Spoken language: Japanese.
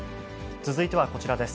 続いてはこちらです。